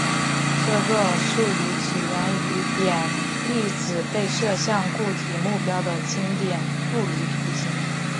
这个术语起源于点粒子被射向固体目标的经典物理图景。